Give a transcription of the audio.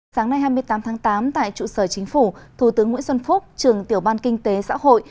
sáng nay hai mươi tám tháng tám tại trụ sở chính phủ thủ tướng nguyễn xuân phúc trường tiểu ban kinh tế xã hội